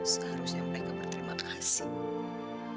seharusnya mereka berterima kasih